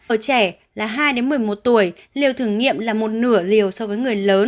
ở trẻ là hai một mươi một tuổi liều thử nghiệm là một nửa liều so với người lớn